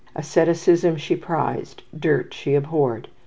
Asceticism she prized; dirt she abhorred.